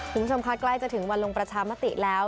คุณผู้ชมคะใกล้จะถึงวันลงประชามติแล้ว